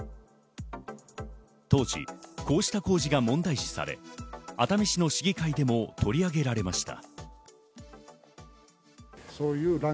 当時、こうした工事が問題視され、熱海市の市議会でも取り上げられました。